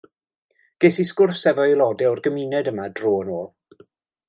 Ges i sgwrs efo aelodau o'r gymuned yma dro yn ôl.